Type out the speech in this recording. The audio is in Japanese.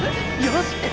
よし！